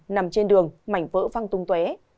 nằm trên đường mảnh vỡ văng tung tuế